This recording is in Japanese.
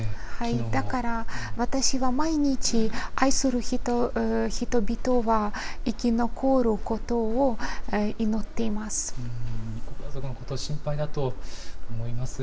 だから、私は毎日、愛する人々は、生き残ることを祈っています。